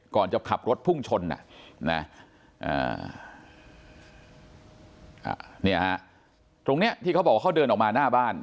จะขับรถพุ่งชนตรงเนี้ยที่เขาบอกว่าเขาเดินออกมาหน้าบ้าน